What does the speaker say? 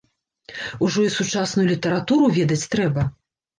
Ужо і сучасную літаратуру ведаць трэба.